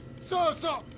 そうそう。